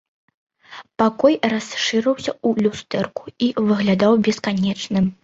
Пакой расшырыўся ў люстэрку і выглядаў бесканечным.